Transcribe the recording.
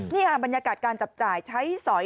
นี่ค่ะบรรยากาศการจับจ่ายใช้สอย